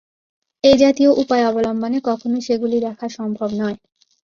এই-জাতীয় উপায় অবলম্বনে কখনও সেগুলি দেখা সম্ভব নয়।